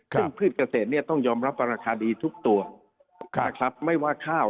ซึ่งพืชเกษตรเนี่ยต้องยอมรับว่าราคาดีทุกตัวนะครับไม่ว่าข้าว